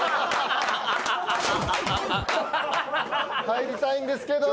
入りたいんですけど。